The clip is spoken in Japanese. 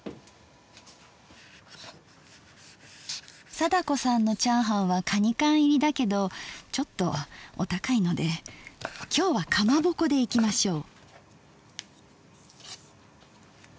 貞子さんのチャーハンはカニ缶入りだけどちょっとお高いので今日は「かまぼこ」でいきましょう。